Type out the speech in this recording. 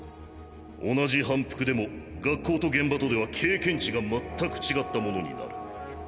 同じ反復でも学校と現場とでは経験値が全く違ったものになる。